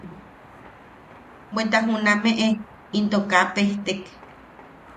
Bweta junameʼe into kaa pejtek.